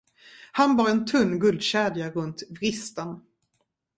Han bar en tunn guldkedja runt vristen.